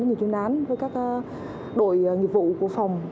với nhiều chuyên án với các đội nhiệm vụ của phòng